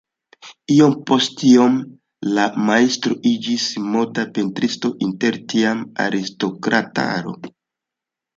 Iompostiome la majstro iĝis moda pentristo inter tiama aristokrataro.